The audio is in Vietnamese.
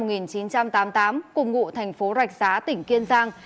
cảnh sát điều tra công an thành phố rạch giá tỉnh kiên giang